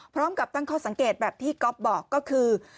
พร้อมกับตั้งข้อสังเกตแบบที่ก๊อฟบอกก็คือ